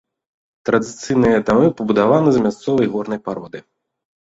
Традыцыйныя дамы пабудаваны з мясцовай горнай пароды.